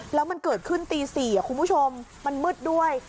แล้วมันเกิดขึ้นตี๔คุณผู้ชมมันมืดด้วย